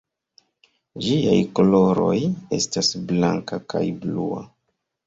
Ĝiaj koloroj estas blanka kaj blua.